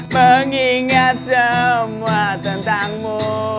mengingat semua tentangmu